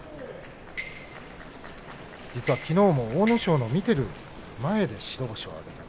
きのうも阿武咲の見ている前で白星を挙げました。